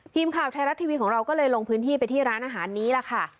ทีมข่าวไทยรัฐทีวีของเราก็เลยลงพื้นที่ไปที่ร้านอาหารนี้ล่ะค่ะ